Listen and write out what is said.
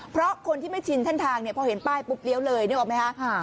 เพราะคนที่ไม่ชินเส้นทางเนี่ยพอเห็นป้ายปุ๊บเลี้ยวเลยนึกออกไหมคะ